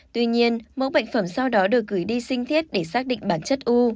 tuy nhiên mẫu bệnh phẩm sau đó được gửi đi sinh thiết để xác định bản chất u